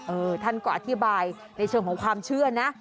ท่านก็อธิบายในเชิงของความเชื่อนะ